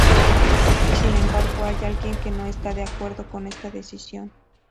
Sin embargo hay alguien que no está de acuerdo con esta decisión.